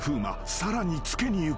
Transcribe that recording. さらにつけにいく］